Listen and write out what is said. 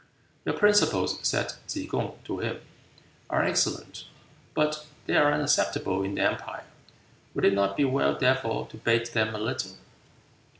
"Your principles," said Tsze kung to him, "are excellent, but they are unacceptable in the empire, would it not be well therefore to bate them a little?"